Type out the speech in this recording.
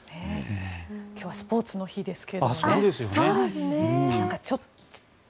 今日はスポーツの日ですが。